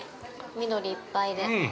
緑いっぱいで。